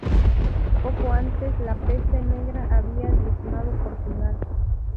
Poco antes la Peste Negra había diezmado Portugal.